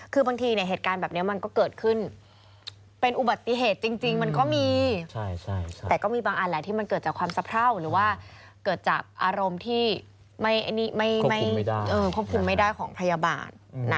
คือบางทีเหตุการณ์แบบนี้มันก็เกิดขึ้นเป็นอุบัติเหตุจริงมันก็มีแต่ก็มีบางอันแหละที่มันเกิดจากความสะเพราหรือว่าเกิดจากอารมณ์ที่ไม่ควบคุมไม่ได้ของพยาบาล